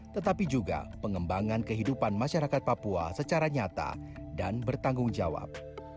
tetapi juga pengembangan kehidupan masyarakat papua secara nyata dan bertanggung jawab